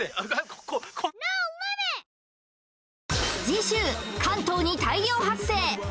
次週関東に大量発生！